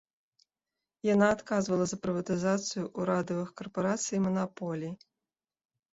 Яна адказвала за прыватызацыю ўрадавых карпарацый і манаполій.